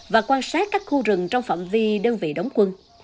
và quan sát các khu rừng trong phạm vi đơn vị đóng quân